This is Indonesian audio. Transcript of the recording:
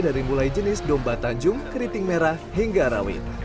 dari mulai jenis domba tanjung keriting merah hingga rawit